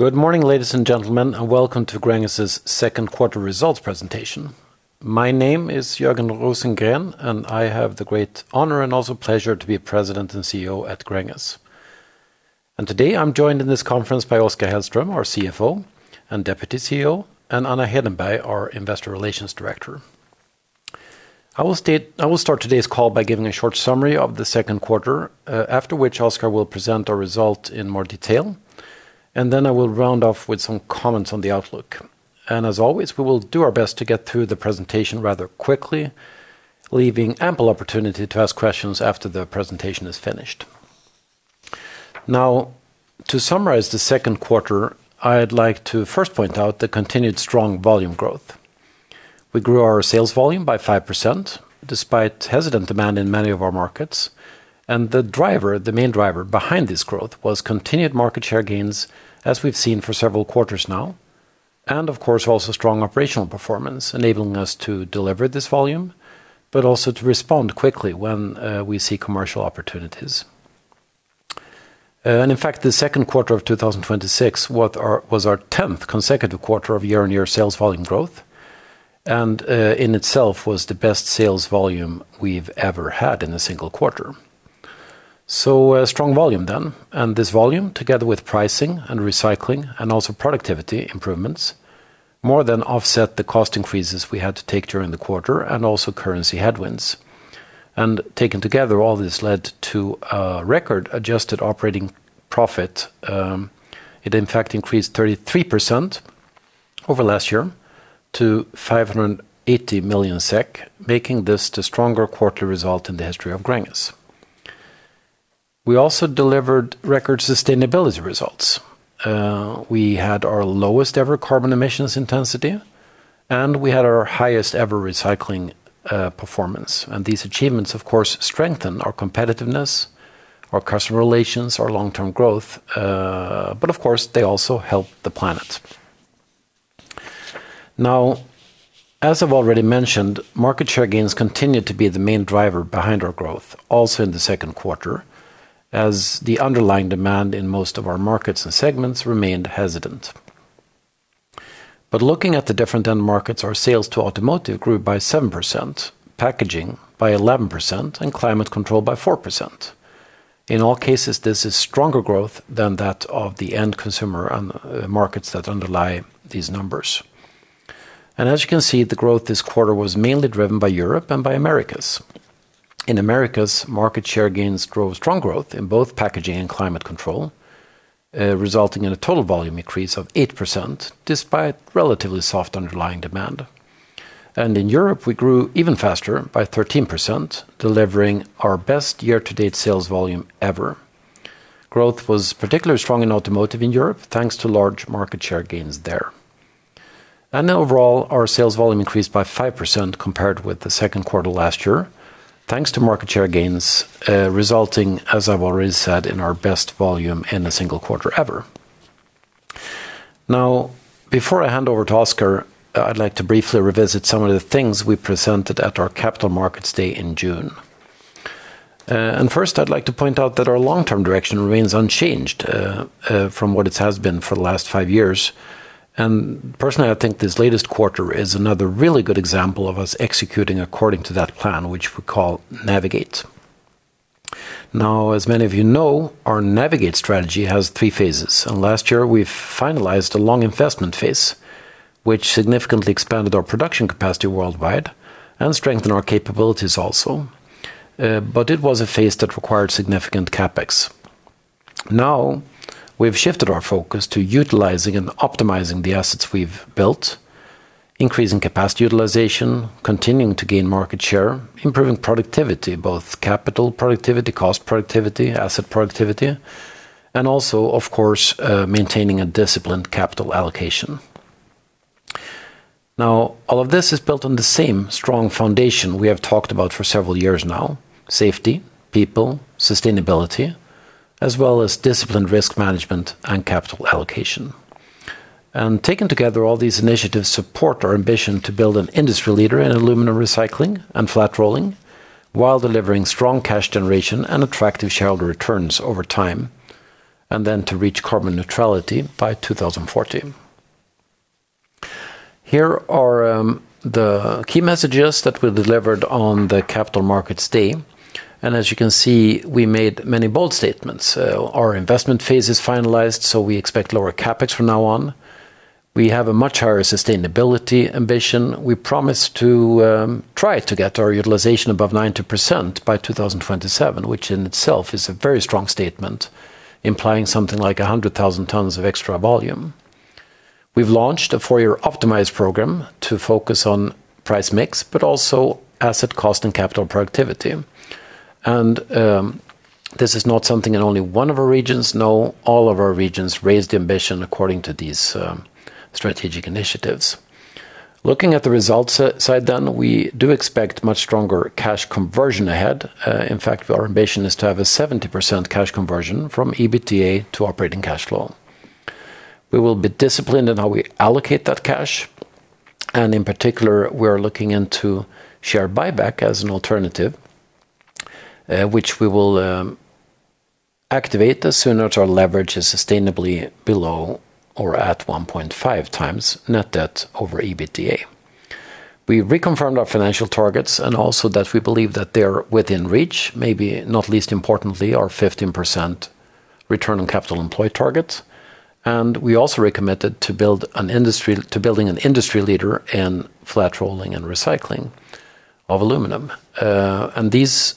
Good morning, ladies and gentlemen, and welcome to Gränges' second quarter results presentation. My name is Jörgen Rosengren. I have the great honor and also pleasure to be President and CEO at Gränges. Today I'm joined in this conference by Oskar Hellström, our CFO and Deputy CEO, and Anna Hedenberg, our Investor Relations Director. I will start today's call by giving a short summary of the second quarter, after which Oskar will present our result in more detail. Then I will round off with some comments on the outlook. As always, we will do our best to get through the presentation rather quickly, leaving ample opportunity to ask questions after the presentation is finished. Now, to summarize the second quarter, I'd like to first point out the continued strong volume growth. We grew our sales volume by 5%, despite hesitant demand in many of our markets. The main driver behind this growth was continued market share gains, as we've seen for several quarters now. Of course, also strong operational performance, enabling us to deliver this volume, but also to respond quickly when we see commercial opportunities. In fact, the second quarter of 2026 was our 10th consecutive quarter of year-on-year sales volume growth, and in itself was the best sales volume we've ever had in a single quarter. A strong volume then. This volume, together with pricing and recycling and also productivity improvements, more than offset the cost increases we had to take during the quarter and also currency headwinds. Taken together, all this led to a record adjusted operating profit. It in fact increased 33% over last year to 580 million SEK, making this the strongest quarterly result in the history of Gränges. We also delivered record sustainability results. We had our lowest-ever carbon emissions intensity, and we had our highest-ever recycling performance. These achievements, of course, strengthen our competitiveness, our customer relations, our long-term growth, but of course, they also help the planet. Now, as I've already mentioned, market share gains continued to be the main driver behind our growth, also in the second quarter, as the underlying demand in most of our markets and segments remained hesitant. Looking at the different end markets, our sales to automotive grew by 7%, packaging by 11%, and climate control by 4%. In all cases, this is stronger growth than that of the end consumer markets that underlie these numbers. As you can see, the growth this quarter was mainly driven by Europe and by Americas. In Americas, market share gains drove strong growth in both packaging and climate control, resulting in a total volume increase of 8%, despite relatively soft underlying demand. In Europe, we grew even faster, by 13%, delivering our best year-to-date sales volume ever. Growth was particularly strong in automotive in Europe, thanks to large market share gains there. Overall, our sales volume increased by 5% compared with the second quarter last year, thanks to market share gains, resulting, as I've already said, in our best volume in a single quarter ever. Now, before I hand over to Oskar, I'd like to briefly revisit some of the things we presented at our Capital Markets Day in June. First, I'd like to point out that our long-term direction remains unchanged from what it has been for the last five years. Personally, I think this latest quarter is another really good example of us executing according to that plan, which we call Navigate. As many of you know, our Navigate strategy has three phases, and last year we finalized a long investment phase, which significantly expanded our production capacity worldwide and strengthened our capabilities also. It was a phase that required significant CapEx. We've shifted our focus to utilizing and optimizing the assets we've built, increasing capacity utilization, continuing to gain market share, improving productivity, both capital productivity, cost productivity, asset productivity, of course, maintaining a disciplined capital allocation. All of this is built on the same strong foundation we have talked about for several years now: safety, people, sustainability, as well as disciplined risk management and capital allocation. Taken together, all these initiatives support our ambition to build an industry leader in aluminum recycling and flat rolling while delivering strong cash generation and attractive shareholder returns over time, then to reach carbon neutrality by 2040. Here are the key messages that were delivered on the Capital Markets Day. As you can see, we made many bold statements. Our investment phase is finalized, we expect lower CapEx from now on. We have a much higher sustainability ambition. We promise to try to get our utilization above 90% by 2027, which in itself is a very strong statement implying something like 100,000 tons of extra volume. We've launched a four-year optimize program to focus on price mix, but also asset cost and capital productivity. This is not something that only one of our regions know. All of our regions raised the ambition according to these strategic initiatives. Looking at the results side, we do expect much stronger cash conversion ahead. In fact, our ambition is to have a 70% cash conversion from EBITDA to operating cash flow. We will be disciplined in how we allocate that cash, and in particular, we are looking into share buyback as an alternative which we will activate as soon as our leverage is sustainably below or at 1.5x net debt over EBITDA. We reconfirmed our financial targets and also that we believe that they're within reach, maybe not least importantly, our 15% return on capital employed targets. We also recommitted to building an industry leader in flat rolling and recycling of aluminum. These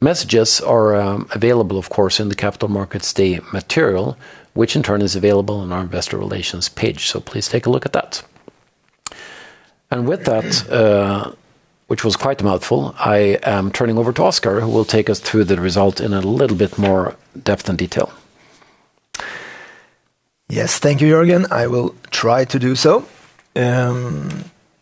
messages are available, of course, in the Capital Markets Day material, which in turn is available on our investor relations page. Please take a look at that. With that, which was quite a mouthful, I am turning over to Oskar, who will take us through the result in a little bit more depth and detail. Yes. Thank you, Jörgen. I will try to do so.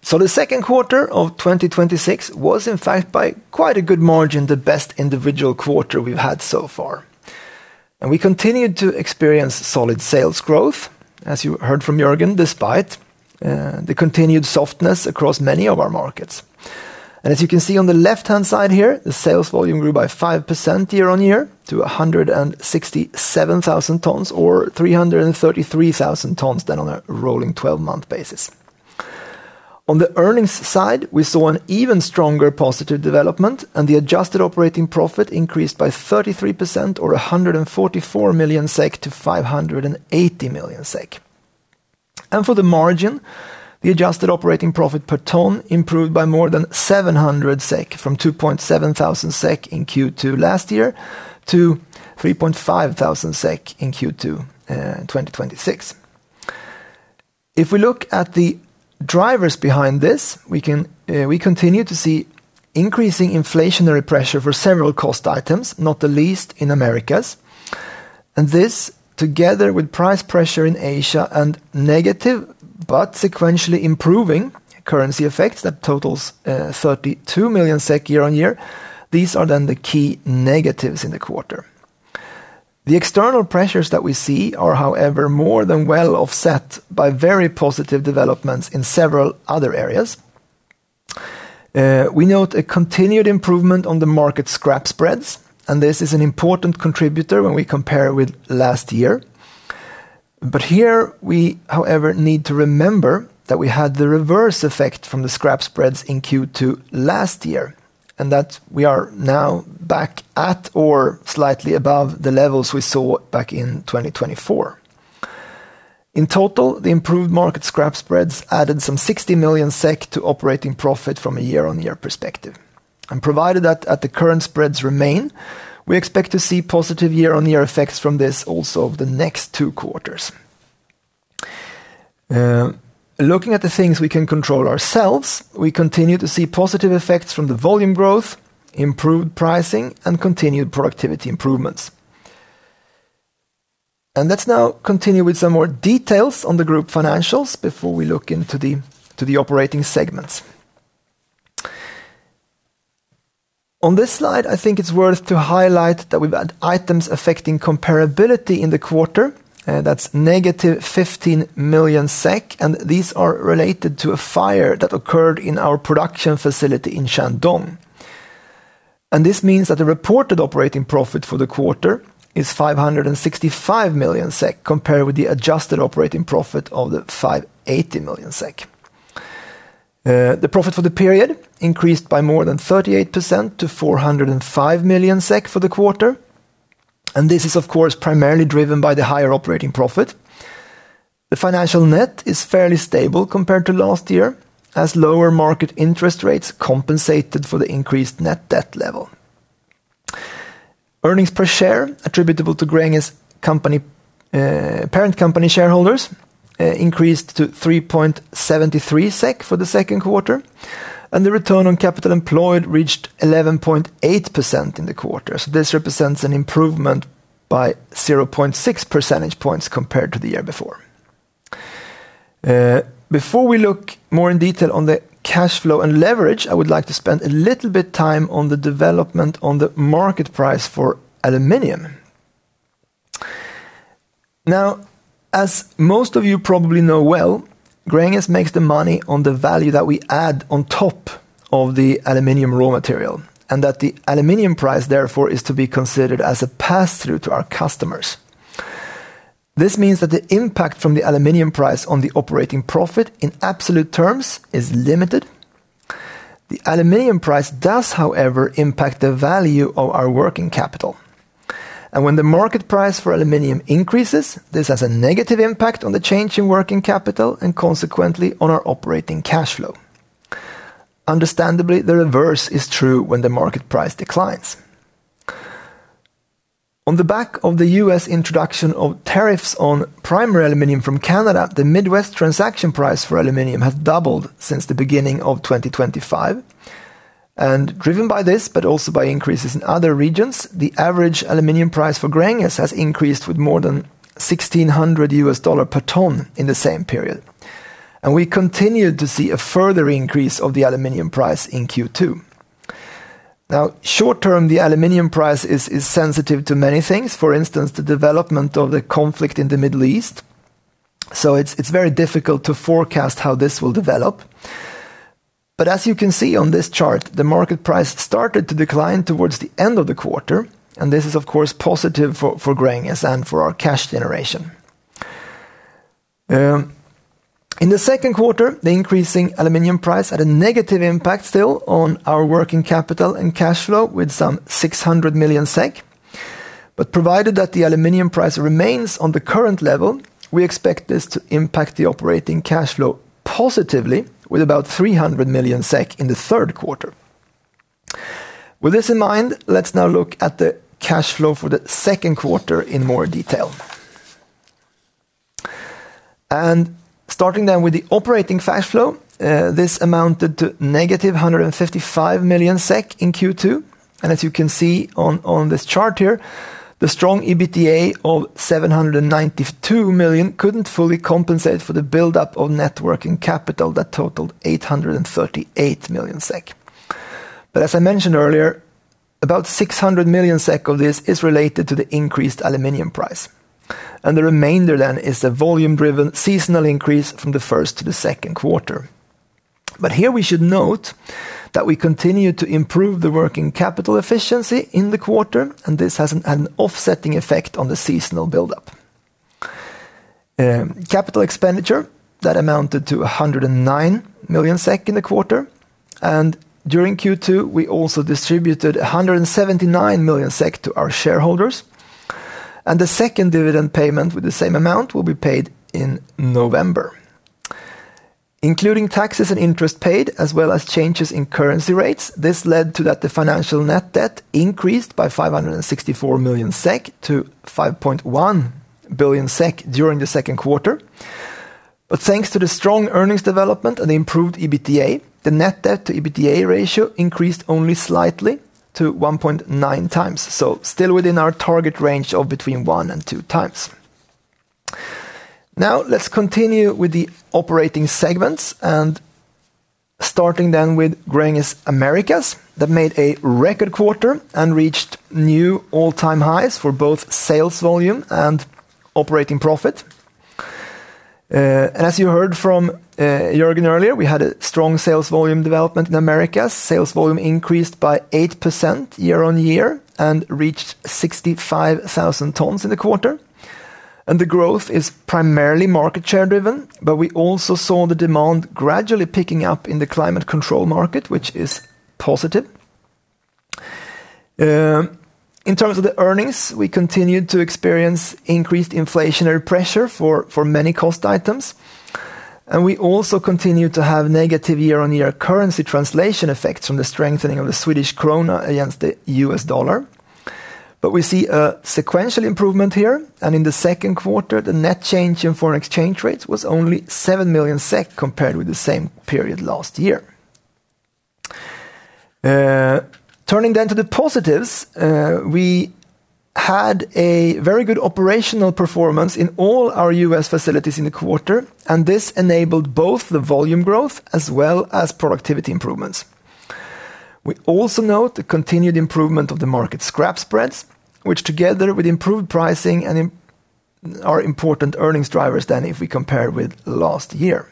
The second quarter of 2026 was in fact by quite a good margin, the best individual quarter we've had so far. We continued to experience solid sales growth, as you heard from Jörgen, despite the continued softness across many of our markets. As you can see on the left-hand side here, the sales volume grew by 5% year-over-year to 167,000 tons, or 333,000 tons on a rolling 12-month basis. On the earnings side, we saw an even stronger positive development. The adjusted operating profit increased by 33%, or 144 million SEK to 580 million SEK. For the margin, the adjusted operating profit per ton improved by more than 700 SEK from 2,700 SEK in Q2 last year to 3,500 SEK in Q2 2026. If we look at the drivers behind this, we continue to see increasing inflationary pressure for several cost items, not the least in Americas. This, together with price pressure in Asia and negative but sequentially improving currency effects that totals 32 million SEK year-over-year, these are the key negatives in the quarter. The external pressures that we see are, however, more than well offset by very positive developments in several other areas. We note a continued improvement on the market scrap spreads. This is an important contributor when we compare with last year. Here we, however, need to remember that we had the reverse effect from the scrap spreads in Q2 last year, that we are now back at or slightly above the levels we saw back in 2024. In total, the improved market scrap spreads added some 60 million SEK to operating profit from a year-over-year perspective. Provided that the current spreads remain, we expect to see positive year-over-year effects from this also over the next two quarters. Looking at the things we can control ourselves, we continue to see positive effects from the volume growth, improved pricing, and continued productivity improvements. Let's now continue with some more details on the group financials before we look into the operating segments. On this slide, I think it's worth to highlight that we've had items affecting comparability in the quarter. That's negative 15 million SEK. These are related to a fire that occurred in our production facility in Shandong. This means that the reported operating profit for the quarter is 565 million SEK compared with the adjusted operating profit of 580 million SEK. The profit for the period increased by more than 38% to 405 million SEK for the quarter. This is of course, primarily driven by the higher operating profit. The financial net is fairly stable compared to last year, as lower market interest rates compensated for the increased net debt level. Earnings per share attributable to Gränges parent company shareholders increased to 3.73 SEK for the second quarter. The return on capital employed reached 11.8% in the quarter. This represents an improvement by 0.6 percentage points compared to the year before. Before we look more in detail on the cash flow and leverage, I would like to spend a little bit time on the development on the market price for aluminum. As most of you probably know well, Gränges makes the money on the value that we add on top of the aluminum raw material, and that the aluminum price therefore is to be considered as a pass-through to our customers. This means that the impact from the aluminum price on the operating profit in absolute terms is limited. The aluminum price does, however, impact the value of our working capital. When the market price for aluminum increases, this has a negative impact on the change in working capital and consequently on our operating cash flow. Understandably, the reverse is true when the market price declines. On the back of the U.S. introduction of tariffs on primary aluminum from Canada, the Midwest transaction price for aluminum has doubled since the beginning of 2025. Driven by this, but also by increases in other regions, the average aluminum price for Gränges has increased with more than $1,600 per ton in the same period. We continued to see a further increase of the aluminum price in Q2. Short term, the aluminum price is sensitive to many things. For instance, the development of the conflict in the Middle East. It's very difficult to forecast how this will develop. As you can see on this chart, the market price started to decline towards the end of the quarter, and this is of course positive for Gränges and for our cash generation. In the second quarter, the increasing aluminum price had a negative impact still on our working capital and cash flow with some 600 million SEK. Provided that the aluminum price remains on the current level, we expect this to impact the operating cash flow positively with about 300 million SEK in the third quarter. With this in mind, let's now look at the cash flow for the second quarter in more detail. Starting then with the operating cash flow, this amounted to -155 million SEK in Q2. As you can see on this chart here, the strong EBITDA of 792 million couldn't fully compensate for the buildup of net working capital that totaled 838 million SEK. As I mentioned earlier, about 600 million SEK of this is related to the increased aluminum price, and the remainder then is the volume-driven seasonal increase from the first to the second quarter. Here we should note that we continue to improve the working capital efficiency in the quarter, and this has an offsetting effect on the seasonal buildup. Capital expenditure, that amounted to 109 million SEK in the quarter. During Q2, we also distributed 179 million SEK to our shareholders. The second dividend payment with the same amount will be paid in November. Including taxes and interest paid, as well as changes in currency rates, this led to that the financial net debt increased by 64 million SEK to 5.1 billion SEK during the second quarter. Thanks to the strong earnings development and improved EBITDA, the net debt to EBITDA ratio increased only slightly to 1.9x. Still within our target range of between one and two times. Let's continue with the operating segments and starting then with Gränges Americas. That made a record quarter and reached new all-time highs for both sales volume and operating profit. As you heard from Jörgen earlier, we had a strong sales volume development in Americas. Sales volume increased by 8% year-on-year and reached 65,000 tons in the quarter. The growth is primarily market share driven, but we also saw the demand gradually picking up in the climate control market, which is positive. In terms of the earnings, we continued to experience increased inflationary pressure for many cost items, and we also continued to have negative year-on-year currency translation effects from the strengthening of the Swedish krona against the US dollar. We see a sequential improvement here, and in the second quarter, the net change in foreign exchange rates was only 7 million SEK compared with the same period last year. Turning to the positives, we had a very good operational performance in all our U.S. facilities in the quarter, and this enabled both the volume growth as well as productivity improvements. We also note the continued improvement of the market scrap spreads, which together with improved pricing are important earnings drivers than if we compare with last year.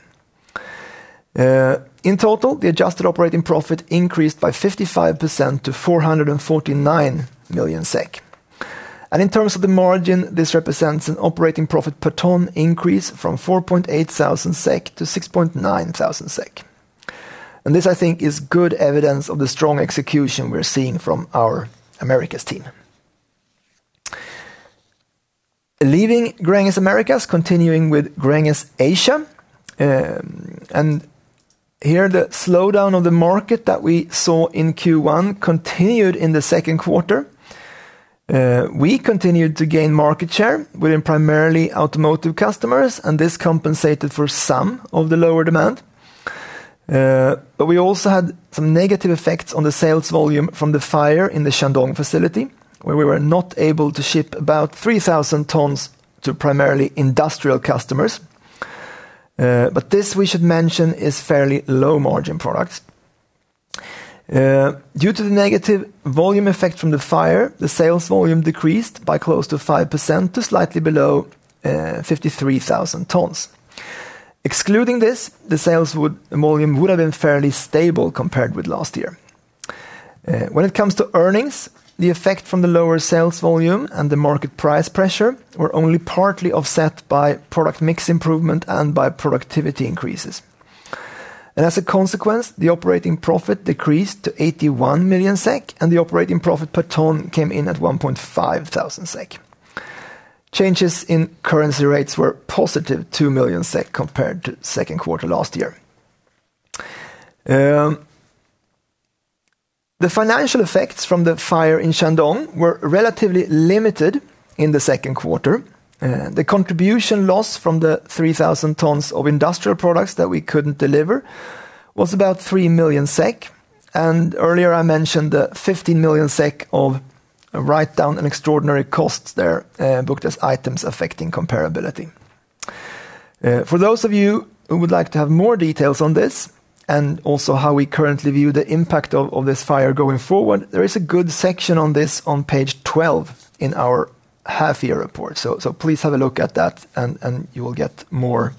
In total, the adjusted operating profit increased by 55% to 449 million SEK. In terms of the margin, this represents an operating profit per ton increase from 4,800 SEK to 6,900 SEK. This, I think, is good evidence of the strong execution we are seeing from our Americas team. Leaving Gränges Americas, continuing with Gränges Asia. Here, the slowdown of the market that we saw in Q1 continued in the second quarter. We continued to gain market share within primarily automotive customers, and this compensated for some of the lower demand. We also had some negative effects on the sales volume from the fire in the Shandong facility, where we were not able to ship about 3,000 tons to primarily industrial customers. This, we should mention, is fairly low margin products. Due to the negative volume effect from the fire, the sales volume decreased by close to 5% to slightly below 53,000 tons. Excluding this, the sales volume would have been fairly stable compared with last year. When it comes to earnings, the effect from the lower sales volume and the market price pressure were only partly offset by product mix improvement and by productivity increases. As a consequence, the operating profit decreased to 81 million SEK and the operating profit per ton came in at 1,500 SEK. Changes in currency rates were +2 million SEK compared to second quarter last year. The financial effects from the fire in Shandong were relatively limited in the second quarter. The contribution loss from the 3,000 tons of industrial products that we couldn't deliver was about 3 million SEK. Earlier I mentioned the 15 million SEK of write-down and extraordinary costs there, booked as items affecting comparability. For those of you who would like to have more details on this, also how we currently view the impact of this fire going forward, there is a good section on this on page 12 in our half-year report. Please have a look at that and you will get more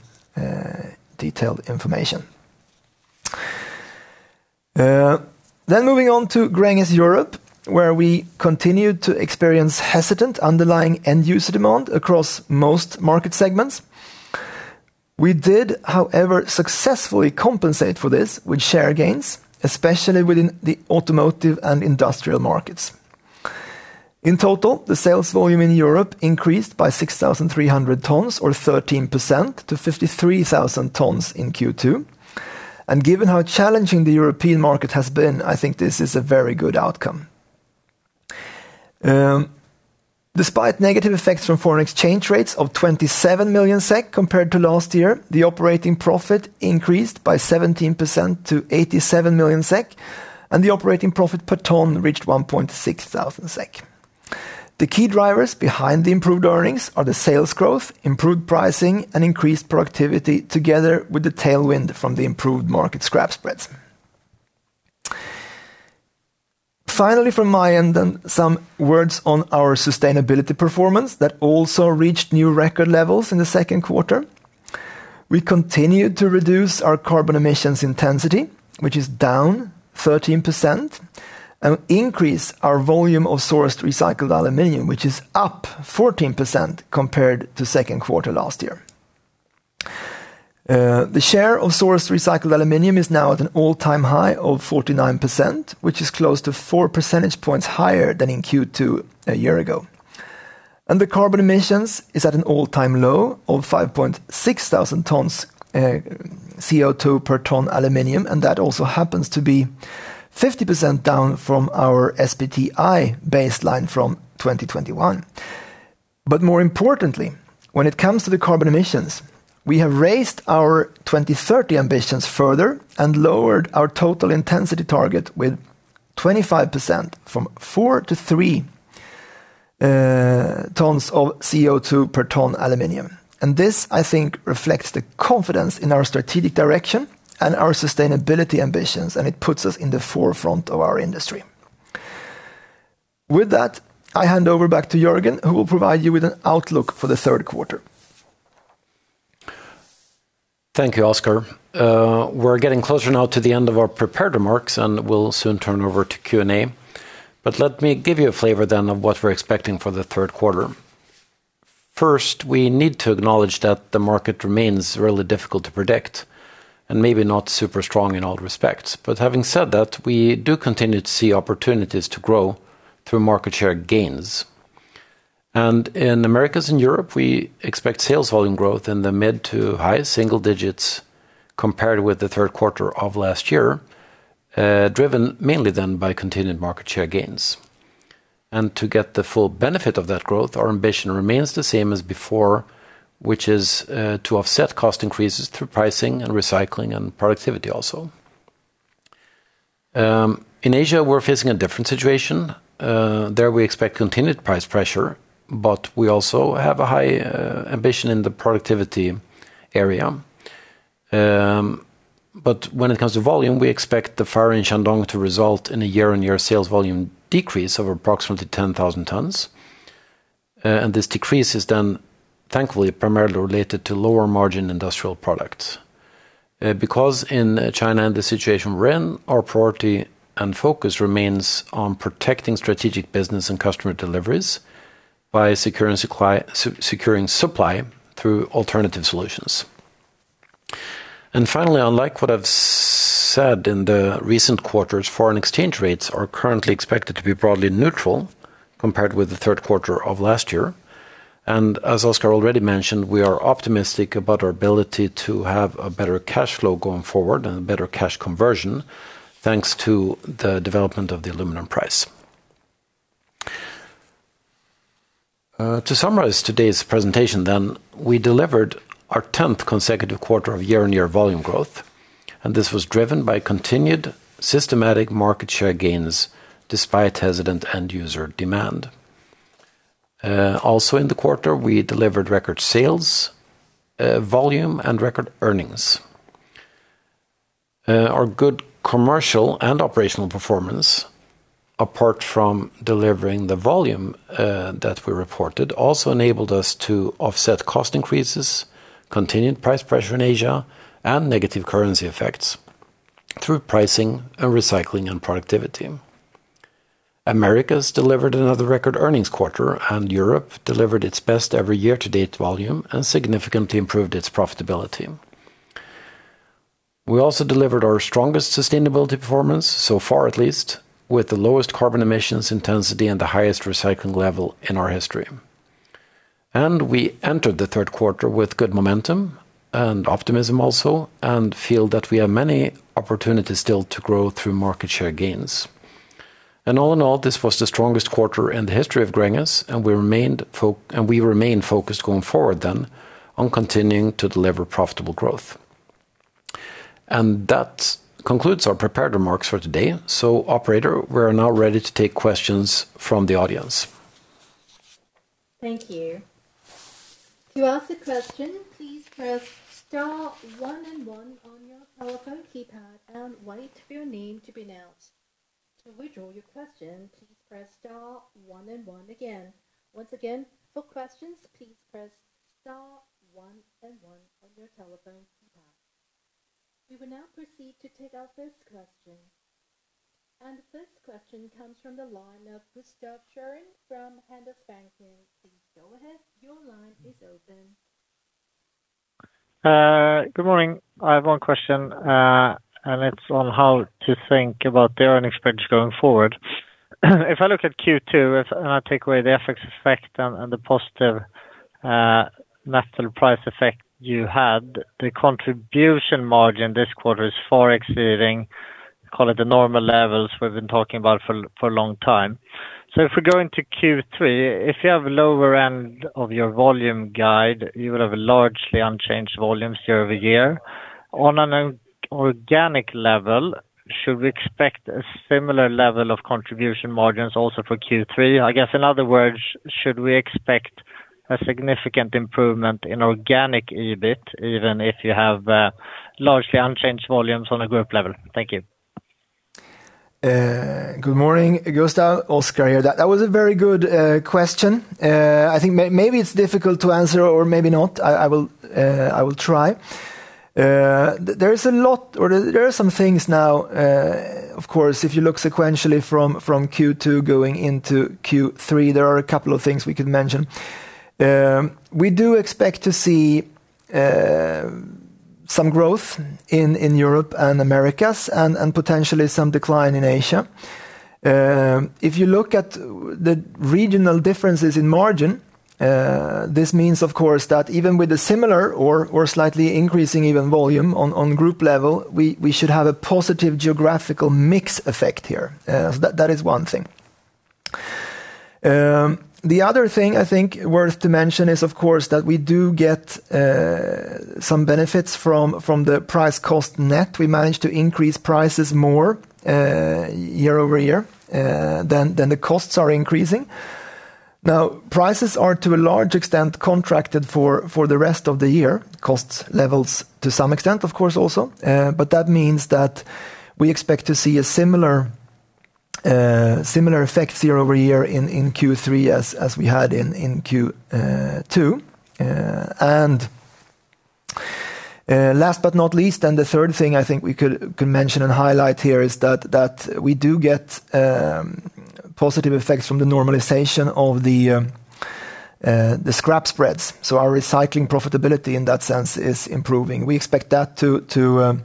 detailed information. Moving on to Gränges Europe, where we continued to experience hesitant underlying end user demand across most market segments. We did, however, successfully compensate for this with share gains, especially within the automotive and industrial markets. In total, the sales volume in Europe increased by 6,300 tonnes or 13% to 53,000 tonnes in Q2. Given how challenging the European market has been, I think this is a very good outcome. Despite negative effects from foreign exchange rates of 27 million SEK compared to last year, the operating profit increased by 17% to 87 million SEK, and the operating profit per tonne reached 1,600 SEK The key drivers behind the improved earnings are the sales growth, improved pricing, and increased productivity together with the tailwind from the improved market scrap spreads. Finally, from my end, some words on our sustainability performance that also reached new record levels in the second quarter. We continued to reduce our carbon emissions intensity, which is down 13%, and increase our volume of sourced recycled aluminum, which is up 14% compared to second quarter last year. The share of sourced recycled aluminum is now at an all-time high of 49%, which is close to 4 percentage points higher than in Q2 a year ago. The carbon emissions is at an all-time low of 5.6 thousand tonnes CO2 per tonne aluminum, and that also happens to be 50% down from our SBTi baseline from 2021. More importantly, when it comes to the carbon emissions, we have raised our 2030 ambitions further and lowered our total intensity target with 25% from 4 to 3 tonnes of CO2 per tonne aluminum. This, I think, reflects the confidence in our strategic direction and our sustainability ambitions, and it puts us in the forefront of our industry. With that, I hand over back to Jörgen, who will provide you with an outlook for the third quarter. Thank you, Oskar. We're getting closer now to the end of our prepared remarks, and we'll soon turn over to Q&A. Let me give you a flavor then of what we're expecting for the third quarter. First, we need to acknowledge that the market remains really difficult to predict, and maybe not super strong in all respects. Having said that, we do continue to see opportunities to grow through market share gains. In Americas and Europe, we expect sales volume growth in the mid to high single digits compared with the third quarter of last year, driven mainly then by continued market share gains. To get the full benefit of that growth, our ambition remains the same as before, which is to offset cost increases through pricing and recycling, and productivity also. In Asia, we're facing a different situation. There we expect continued price pressure, we also have a high ambition in the productivity area. When it comes to volume, we expect the fire in Shandong to result in a year-on-year sales volume decrease of approximately 10,000 tons. This decrease is then thankfully primarily related to lower margin industrial products. In China and the situation we're in, our priority and focus remains on protecting strategic business and customer deliveries by securing supply through alternative solutions. Finally, unlike what I've said in the recent quarters, foreign exchange rates are currently expected to be broadly neutral compared with the third quarter of last year. As Oskar already mentioned, we are optimistic about our ability to have a better cash flow going forward and a better cash conversion, thanks to the development of the aluminum price. To summarize today's presentation, we delivered our 10th consecutive quarter of year-on-year volume growth, this was driven by continued systematic market share gains despite hesitant end-user demand. Also in the quarter, we delivered record sales volume and record earnings. Our good commercial and operational performance, apart from delivering the volume that we reported, also enabled us to offset cost increases, continued price pressure in Asia, negative currency effects through pricing and recycling and productivity. Americas delivered another record earnings quarter, Europe delivered its best ever year-to-date volume and significantly improved its profitability. We also delivered our strongest sustainability performance, so far at least, with the lowest carbon emissions intensity and the highest recycling level in our history. We entered the third quarter with good momentum and optimism also, feel that we have many opportunities still to grow through market share gains. All in all, this was the strongest quarter in the history of Gränges, we remain focused going forward on continuing to deliver profitable growth. That concludes our prepared remarks for today. Operator, we are now ready to take questions from the audience. Thank you. To ask a question, please press star one and one on your telephone keypad and wait for your name to be announced. To withdraw your question, please press star one and one again. Once again, for questions, please press star one and one on your telephone keypad. We will now proceed to take our first question. The first question comes from the line of Gustaf Schwerin from Handelsbanken. Please go ahead. Your line is open. Good morning. I have one question, and it is on how to think about the earnings spreads going forward. If I look at Q2, and I take away the FX effect and the positive metal price effect you had, the contribution margin this quarter is far exceeding, call it the normal levels we have been talking about for a long time. If we go into Q3, if you have lower end of your volume guide, you will have largely unchanged volumes year-over-year. On an organic level, should we expect a similar level of contribution margins also for Q3? I guess, in other words, should we expect a significant improvement in organic EBIT, even if you have largely unchanged volumes on a group level? Thank you. Good morning, Gustaf. Oskar here. That was a very good question. I think maybe it is difficult to answer or maybe not. I will try. There are some things now, of course, if you look sequentially from Q2 going into Q3, there are a couple of things we could mention. We do expect to see some growth in Europe and Americas and potentially some decline in Asia. If you look at the regional differences in margin, this means, of course, that even with a similar or slightly increasing even volume on group level, we should have a positive geographical mix effect here. That is one thing. The other thing I think worth to mention is, of course, that we do get some benefits from the price cost net. We managed to increase prices more year-over-year than the costs are increasing. Now, prices are to a large extent contracted for the rest of the year, cost levels to some extent, of course, also. That means that we expect to see a similar effect year-over-year in Q3 as we had in Q2. Last but not least, the third thing I think we could mention and highlight here is that we do get positive effects from the normalization of the scrap spreads. Our recycling profitability in that sense is improving. We expect that to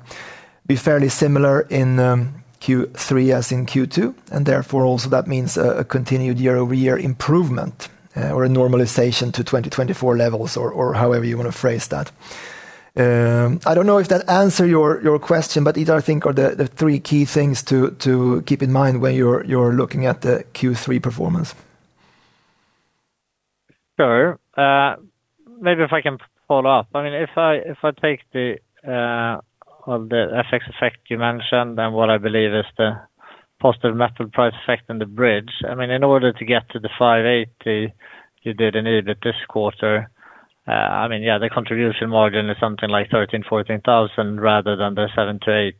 be fairly similar in Q3 as in Q2, and therefore also that means a continued year-over-year improvement or a normalization to 2024 levels or however you want to phrase that. I don't know if that answer your question, but these, I think are the three key things to keep in mind when you are looking at the Q3 performance. Sure. Maybe if I can follow up. If I take the FX effect you mentioned and what I believe is the positive metal price effect and the bridge, in order to get to the 580 you did indeed this quarter, the contribution margin is something like 13,000-14,000 rather than the 7,000-8,000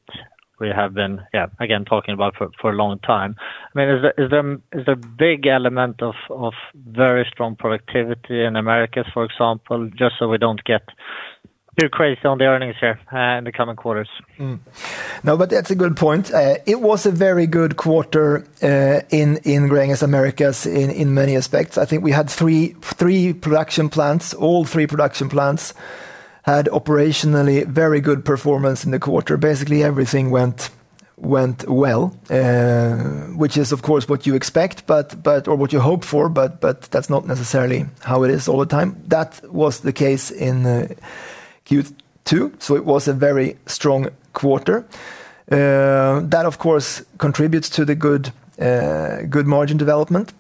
we have been, again, talking about for a long time. Is there a big element of very strong productivity in Americas, for example, just so we don't get too crazy on the earnings here in the coming quarters? That's a good point. It was a very good quarter in Gränges Americas in many aspects. I think we had three production plants. All three production plants had operationally very good performance in the quarter. Basically, everything went well, which is, of course, what you expect or what you hope for, but that's not necessarily how it is all the time. That was the case in Q2, so it was a very strong quarter. That, of course, contributes to the good margin development.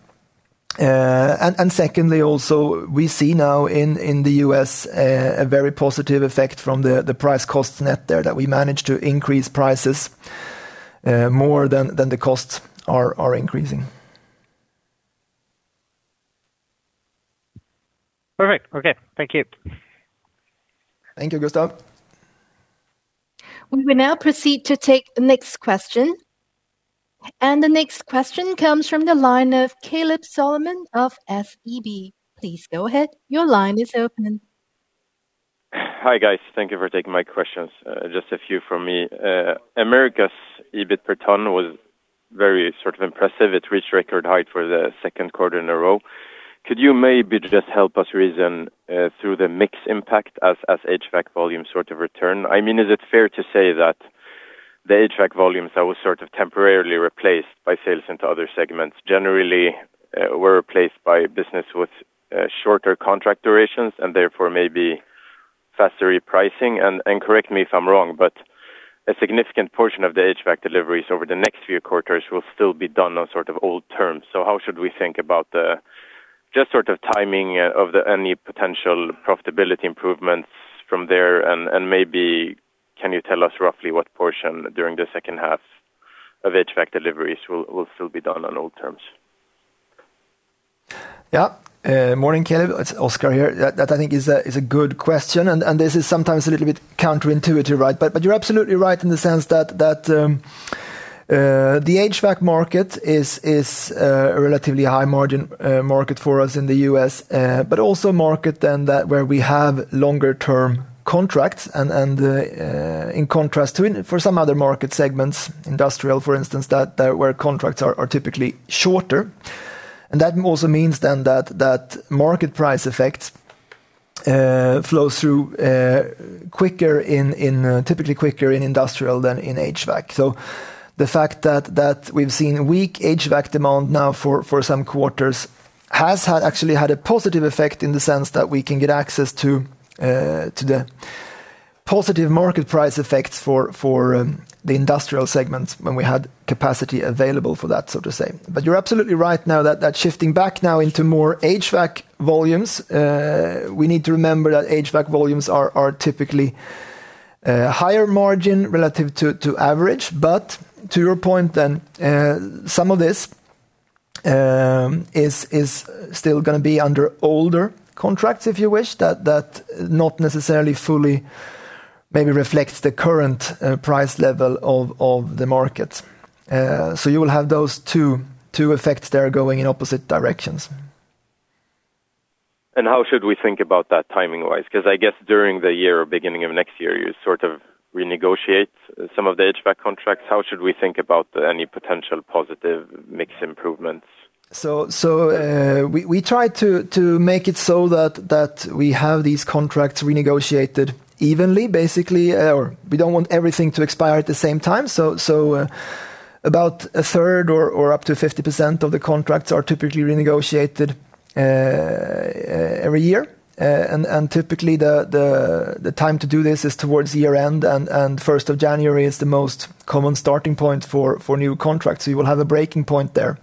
Secondly, also, we see now in the U.S. a very positive effect from the price cost net there that we managed to increase prices more than the costs are increasing. Perfect. Okay. Thank you. Thank you, Gustaf. We will now proceed to take the next question. The next question comes from the line of Kaleb Solomon of SEB. Please go ahead. Your line is open. Hi, guys. Thank you for taking my questions. Just a few from me. Americas EBIT per ton was very sort of impressive. It reached record height for the second quarter in a row. Could you maybe just help us reason through the mix impact as HVAC volume sort of return? Is it fair to say that the HVAC volumes that was sort of temporarily replaced by sales into other segments generally were replaced by business with shorter contract durations and therefore maybe faster repricing? Correct me if I'm wrong, but a significant portion of the HVAC deliveries over the next few quarters will still be done on sort of old terms. How should we think about the just sort of timing of any potential profitability improvements from there? Maybe can you tell us roughly what portion during the second half of HVAC deliveries will still be done on old terms. Morning, Kaleb, it's Oskar here. That, I think, is a good question, this is sometimes a little bit counterintuitive, right? You're absolutely right in the sense that the HVAC market is a relatively high margin market for us in the U.S., but also a market then where we have longer term contracts and in contrast for some other market segments, industrial, for instance, where contracts are typically shorter. That also means then that market price effect flows through quicker, typically quicker in industrial than in HVAC. The fact that we've seen weak HVAC demand now for some quarters has actually had a positive effect in the sense that we can get access to the positive market price effects for the industrial segments when we had capacity available for that, so to say. You're absolutely right now that shifting back now into more HVAC volumes, we need to remember that HVAC volumes are typically higher margin relative to average. To your point then, some of this is still going to be under older contracts, if you wish, that not necessarily fully maybe reflects the current price level of the market. You will have those two effects there going in opposite directions. How should we think about that timing-wise? Because I guess during the year or beginning of next year, you sort of renegotiate some of the HVAC contracts. How should we think about any potential positive mix improvements? We try to make it so that we have these contracts renegotiated evenly, basically, or we don't want everything to expire at the same time. About a third or up to 50% of the contracts are typically renegotiated every year. Typically, the time to do this is towards year-end, and 1st of January is the most common starting point for new contracts. You will have a breaking point there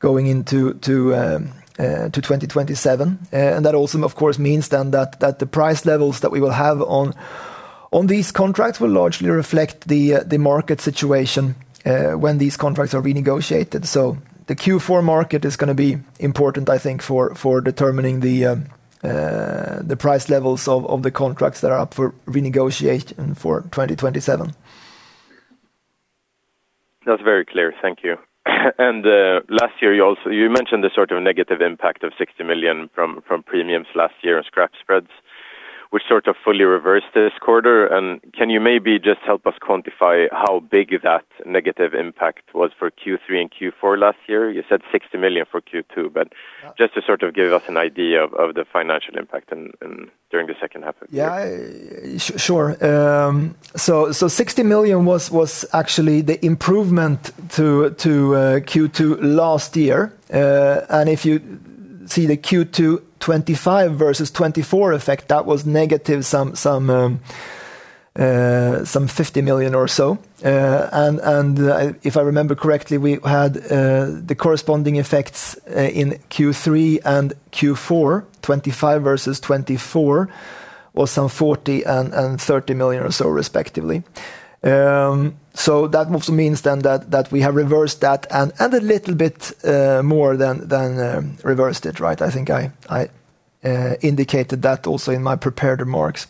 going into 2027. That also, of course, means then that the price levels that we will have on these contracts will largely reflect the market situation when these contracts are renegotiated. The Q4 market is going to be important, I think, for determining the price levels of the contracts that are up for renegotiation for 2027. That's very clear. Thank you. Last year you mentioned the sort of negative impact of 60 million from premiums last year and scrap spreads, which sort of fully reversed this quarter. Can you maybe just help us quantify how big that negative impact was for Q3 and Q4 last year? You said 60 million for Q2, but just to sort of give us an idea of the financial impact during the second half of the year. Yeah, sure. 60 million was actually the improvement to Q2 last year. If you see the Q2 2025 versus 2024 effect, that was negative some 50 million or so. If I remember correctly, we had the corresponding effects, in Q3 and Q4 2025 versus 2024, or some 40 million and 30 million or so respectively. That also means then that we have reversed that and a little bit more than reversed it, right? I think I indicated that also in my prepared remarks.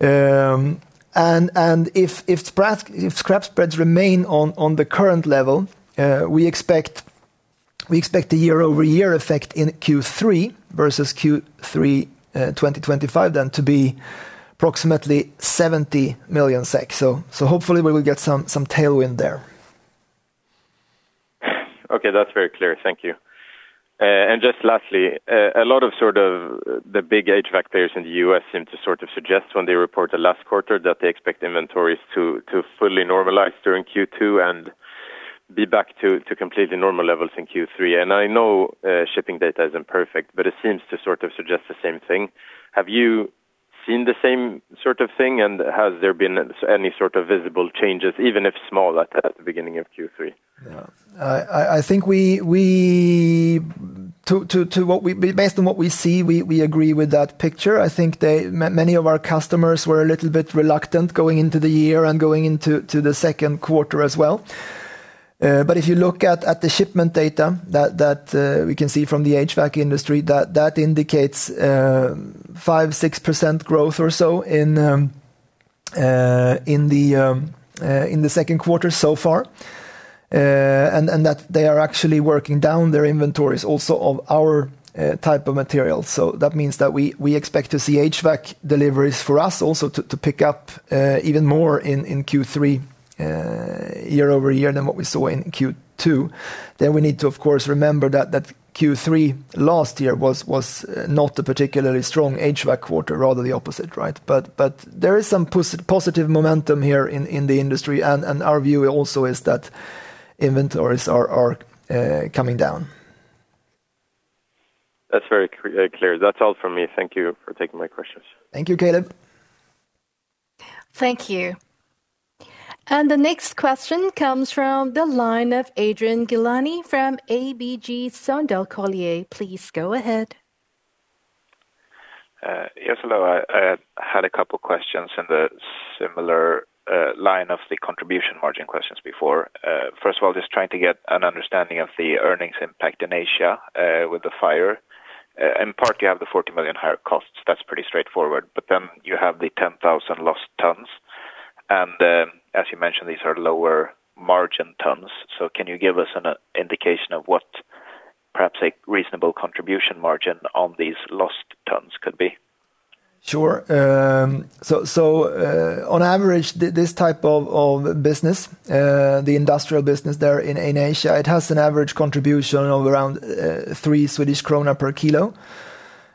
If scrap spreads remain on the current level, we expect the year-over-year effect in Q3 versus Q3 2025, then to be approximately 70 million SEK. Hopefully we will get some tailwind there. Okay, that's very clear. Thank you. Just lastly, a lot of sort of the big HVAC players in the U.S. seem to sort of suggest when they report the last quarter, that they expect inventories to fully normalize during Q2 and be back to completely normal levels in Q3. I know shipping data isn't perfect, but it seems to sort of suggest the same thing. Have you seen the same sort of thing, and has there been any sort of visible changes, even if small at the beginning of Q3? Yeah. I think based on what we see, we agree with that picture. I think many of our customers were a little bit reluctant going into the year and going into the second quarter as well. If you look at the shipment data that we can see from the HVAC industry, that indicates 5%, 6% growth or so in the second quarter so far, and that they are actually working down their inventories also of our type of material. That means that we expect to see HVAC deliveries for us also to pick up even more in Q3 year-over-year than what we saw in Q2. We need to, of course, remember that Q3 last year was not a particularly strong HVAC quarter, rather the opposite, right? There is some positive momentum here in the industry, and our view also is that inventories are coming down. That's very clear. That's all from me. Thank you for taking my questions. Thank you, Kaleb. Thank you. The next question comes from the line of Adrian Gilani from ABG Sundal Collier. Please go ahead. Yes, hello. I had a couple questions in the similar line of the contribution margin questions before. First of all, just trying to get an understanding of the earnings impact in Asia with the fire. In part, you have the 40 million higher costs. That is pretty straightforward. Then you have the 10,000 lost tons. As you mentioned, these are lower margin tons. Can you give us an indication of what perhaps a reasonable contribution margin on these lost tons could be? Sure. On average, this type of business, the industrial business there in Asia, it has an average contribution of around 3 Swedish krona per kilo.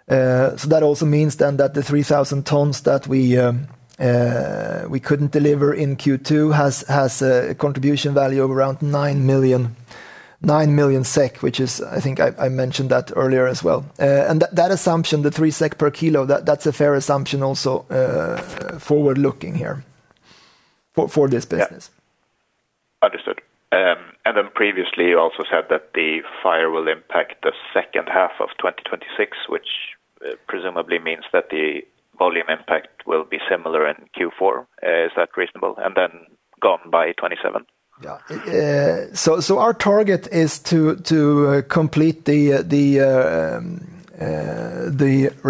That also means then that the 3,000 tons that we couldn't deliver in Q2 has a contribution value of around 9 million, which I think I mentioned that earlier as well. That assumption, the 3 SEK per kilo, that is a fair assumption also, forward-looking here for this business. Yeah. Understood. Previously, you also said that the fire will impact the second half of 2026, which presumably means that the volume impact will be similar in Q4. Is that reasonable? Then gone by 2027. Our target is to complete the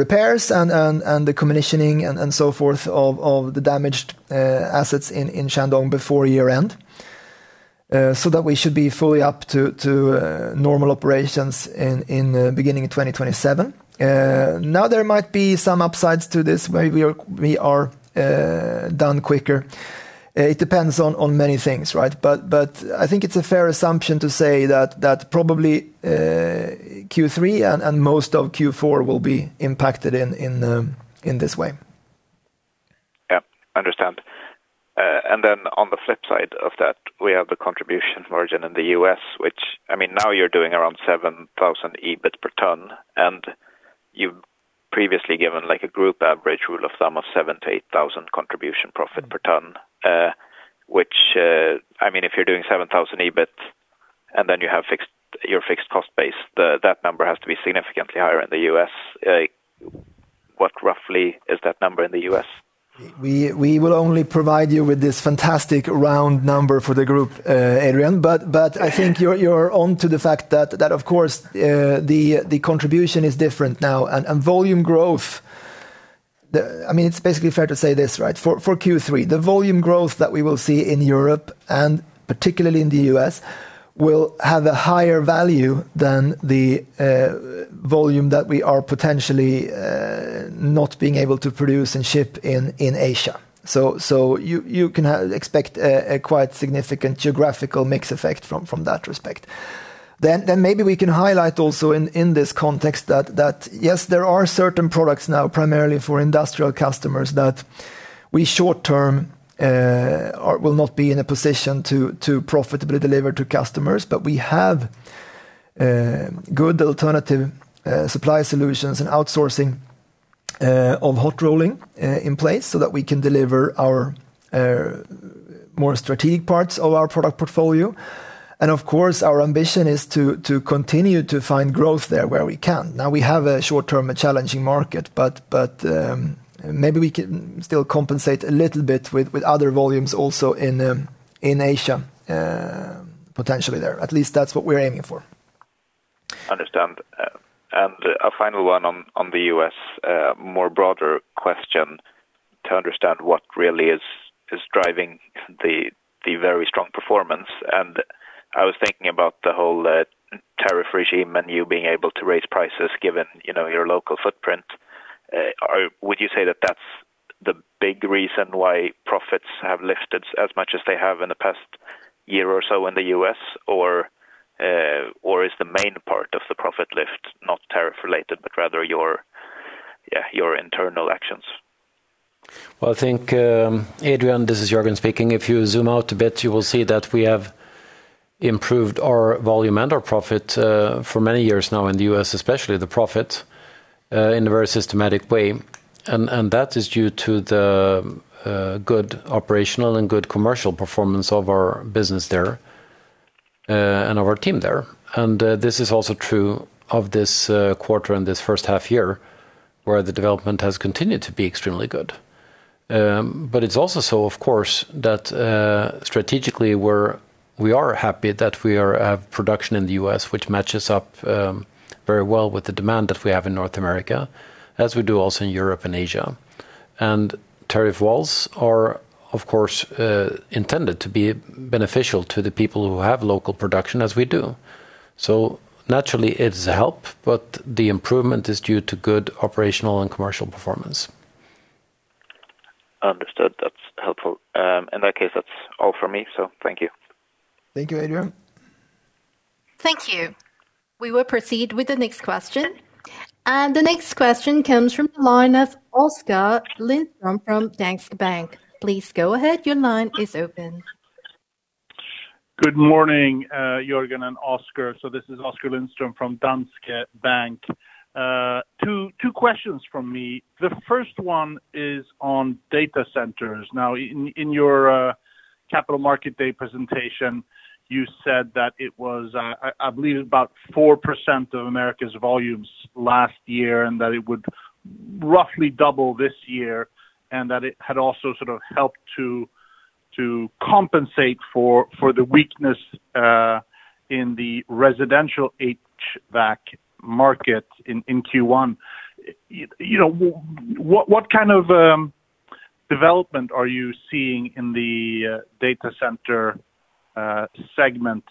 repairs and the commissioning and so forth of the damaged assets in Shandong before year-end, so that we should be fully up to normal operations in beginning of 2027. There might be some upsides to this, maybe we are done quicker. It depends on many things, right? I think it's a fair assumption to say that probably Q3 and most of Q4 will be impacted in this way. Understand. On the flip side of that, we have the contribution margin in the U.S. You're doing around 7,000 EBIT per ton, and you've previously given a group average rule of thumb of 7,000 to 8,000 contribution profit per ton. If you're doing 7,000 EBIT and then you have your fixed cost base, that number has to be significantly higher in the U.S. What roughly is that number in the U.S.? We will only provide you with this fantastic round number for the group, Adrian. I think you're onto the fact that, of course, the contribution is different now. Volume growth, it's basically fair to say this, right? For Q3, the volume growth that we will see in Europe, and particularly in the U.S., will have a higher value than the volume that we are potentially not being able to produce and ship in Asia. You can expect a quite significant geographical mix effect from that respect. Maybe we can highlight also in this context that, yes, there are certain products now, primarily for industrial customers, that we short-term will not be in a position to profitably deliver to customers. We have good alternative supply solutions and outsourcing of hot rolling in place, so that we can deliver our more strategic parts of our product portfolio. Of course, our ambition is to continue to find growth there where we can. We have a short-term challenging market, maybe we can still compensate a little bit with other volumes also in Asia, potentially there. At least that's what we're aiming for. Understand. A final one on the U.S., more broader question to understand what really is driving the very strong performance. I was thinking about the whole tariff regime and you being able to raise prices given your local footprint. Would you say that that's the big reason why profits have lifted as much as they have in the past year or so in the U.S., or is the main part of the profit lift not tariff related, but rather your internal actions? Well, I think, Adrian, this is Jörgen speaking. If you zoom out a bit, you will see that we have improved our volume and our profit for many years now in the U.S., especially the profit, in a very systematic way. That is due to the good operational and good commercial performance of our business there and our team there. This is also true of this quarter and this first half year, where the development has continued to be extremely good. But it's also so, of course, that strategically we are happy that we have production in the U.S., which matches up very well with the demand that we have in North America, as we do also in Europe and Asia. Tariff walls are, of course, intended to be beneficial to the people who have local production as we do. Naturally it's a help, but the improvement is due to good operational and commercial performance. Understood. That's helpful. In that case, that's all for me. Thank you. Thank you, Adrian. Thank you. We will proceed with the next question. The next question comes from the line of Oskar Lindström from Danske Bank. Please go ahead. Your line is open. Good morning, Jörgen and Oskar. This is Oskar Lindström from Danske Bank. Two questions from me. The first one is on data centers. In your Capital Market Day presentation, you said that it was, I believe about 4% of America's volumes last year, that it would roughly double this year, and that it had also sort of helped to compensate for the weakness in the residential HVAC market in Q1. What kind of development are you seeing in the data center segment?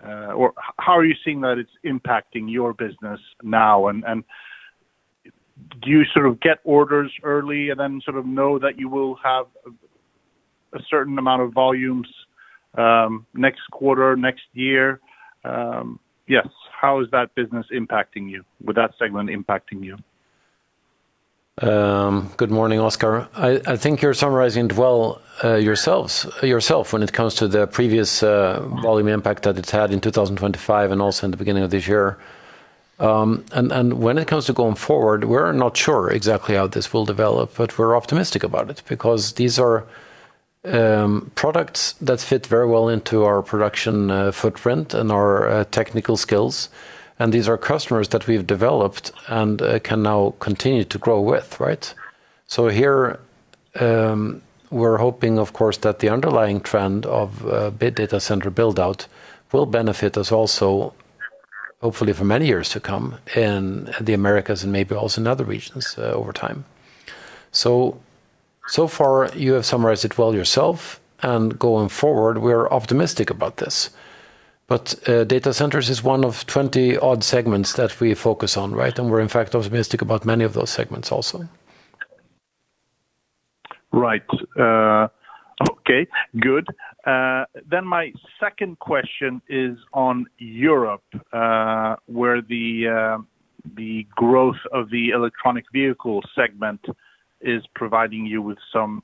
How are you seeing that it's impacting your business now, and do you sort of get orders early and then sort of know that you will have a certain amount of volumes next quarter, next year? How is that business impacting you, with that segment impacting you? Good morning, Oskar. I think you're summarizing it well yourself when it comes to the previous volume impact that it's had in 2025 and also in the beginning of this year. When it comes to going forward, we're not sure exactly how this will develop, but we're optimistic about it, because these are products that fit very well into our production footprint and our technical skills, and these are customers that we've developed and can now continue to grow with, right? Here, we're hoping, of course, that the underlying trend of big data center build-out will benefit us also, hopefully for many years to come in the Americas and maybe also in other regions over time. So far you have summarized it well yourself, and going forward, we are optimistic about this. Data centers is one of 20 odd segments that we focus on, right? We're in fact optimistic about many of those segments also. Right. Okay, good. My second question is on Europe, where the growth of the electronic vehicle segment is providing you with some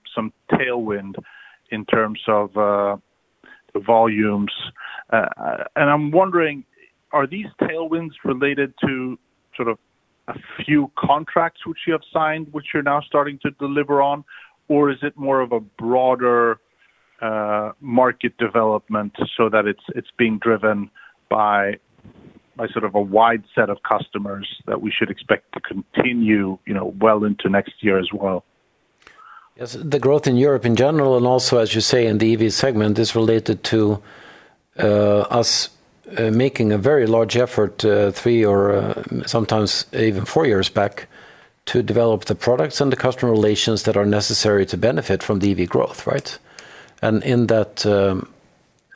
tailwind in terms of volumes. I'm wondering, are these tailwinds related to sort of a few contracts which you have signed, which you're now starting to deliver on, or is it more of a broader market development so that it's being driven by sort of a wide set of customers that we should expect to continue well into next year as well? Yes. The growth in Europe in general, and also, as you say, in the EV segment, is related to us making a very large effort, three or sometimes even four years back, to develop the products and the customer relations that are necessary to benefit from the EV growth, right?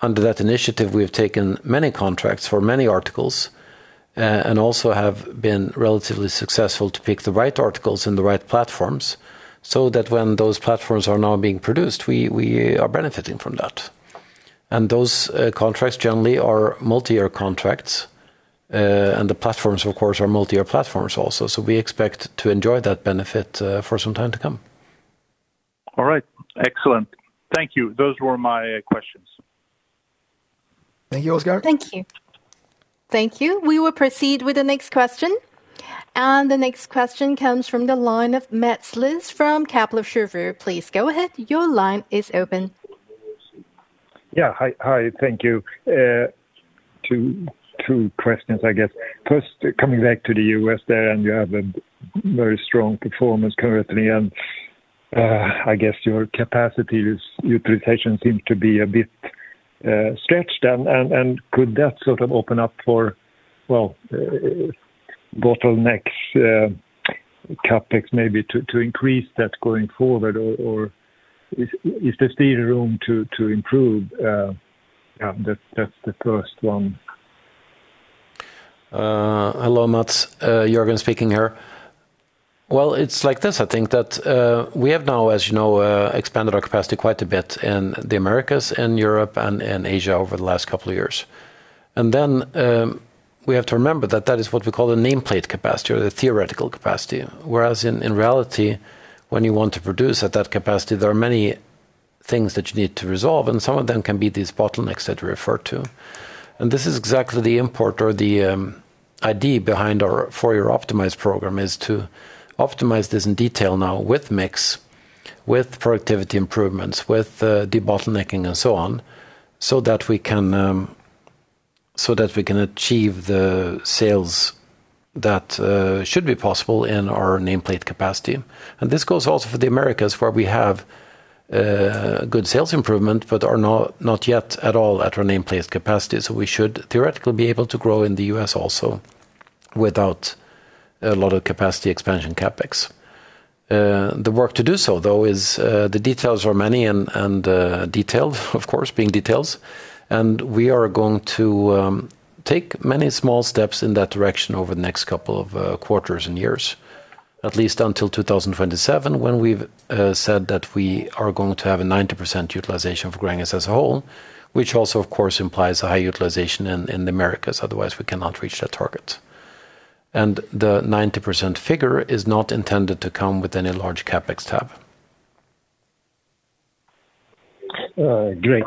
Under that initiative, we have taken many contracts for many articles, and also have been relatively successful to pick the right articles and the right platforms, so that when those platforms are now being produced, we are benefiting from that. Those contracts generally are multi-year contracts. The platforms, of course, are multi-year platforms also. We expect to enjoy that benefit for some time to come. All right. Excellent. Thank you. Those were my questions. Thank you, Oskar. Thank you. Thank you. We will proceed with the next question. The next question comes from the line of Mats Liss from Kepler Cheuvreux. Please go ahead. Your line is open. Yeah. Hi, thank you. Two questions, I guess. First, coming back to the U.S. there, you have a very strong performance currently, I guess your capacity utilization seems to be a bit stretched. Could that sort of open up for, well, bottlenecks, CapEx maybe to increase that going forward, or is there still room to improve? Yeah, that's the first one. Hello, Mats. Jörgen speaking here. Well, it's like this, I think that we have now, as you know, expanded our capacity quite a bit in the Americas and Europe and in Asia over the last couple of years. We have to remember that that is what we call a nameplate capacity or the theoretical capacity. Whereas in reality, when you want to produce at that capacity, there are many things that you need to resolve, and some of them can be these bottlenecks that you referred to. This is exactly the import or the idea behind our four-year optimized program is to optimize this in detail now with mix, with productivity improvements, with debottlenecking and so on, so that we can achieve the sales that should be possible in our nameplate capacity. This goes also for the Americas, where we have good sales improvement but are not yet at all at our nameplate capacity. So we should theoretically be able to grow in the U.S. also without a lot of capacity expansion CapEx. The work to do so, though, is the details are many and detailed, of course, being details. We are going to take many small steps in that direction over the next couple of quarters and years, at least until 2027, when we've said that we are going to have a 90% utilization of Gränges as a whole, which also, of course, implies a high utilization in the Americas, otherwise we cannot reach that target. The 90% figure is not intended to come with any large CapEx tab. Great.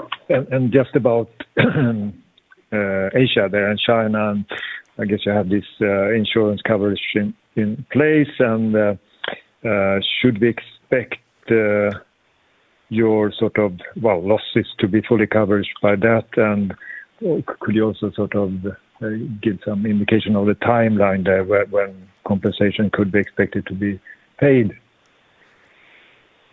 Just about Asia there and China, I guess you have this insurance coverage in place, should we expect your sort of, well, losses to be fully covered by that? Could you also sort of give some indication of the timeline there, when compensation could be expected to be paid?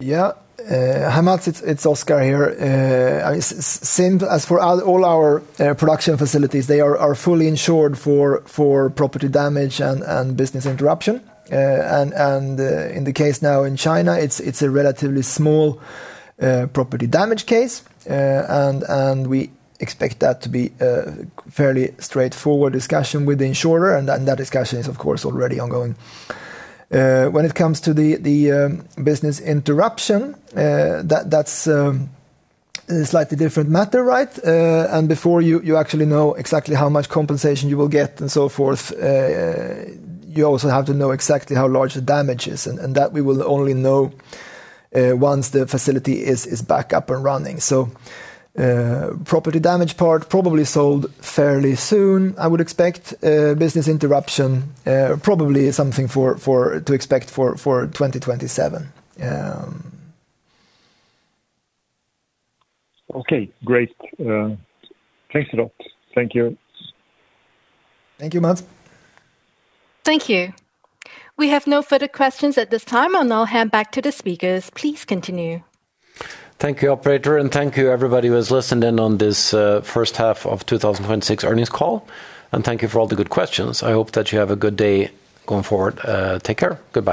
Hi, Mats, it's Oskar here. Same as for all our production facilities, they are fully insured for property damage and business interruption. In the case now in China, it's a relatively small property damage case. We expect that to be a fairly straightforward discussion with the insurer. That discussion is, of course, already ongoing. When it comes to the business interruption, that's a slightly different matter, right? Before you actually know exactly how much compensation you will get and so forth, you also have to know exactly how large the damage is, and that we will only know once the facility is back up and running. So, property damage part probably sold fairly soon, I would expect. Business interruption, probably something to expect for 2027. Okay, great. Thanks a lot. Thank you. Thank you, Mats. Thank you. We have no further questions at this time. I'll now hand back to the speakers. Please continue. Thank you, operator, and thank you everybody who has listened in on this first half of 2026 earnings call, and thank you for all the good questions. I hope that you have a good day going forward. Take care. Goodbye.